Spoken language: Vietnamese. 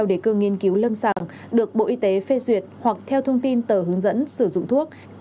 đề cương nghiên cứu lâm sàng được bộ y tế phê duyệt hoặc theo thông tin tờ hướng dẫn sử dụng thuốc